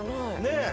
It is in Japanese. ねえ。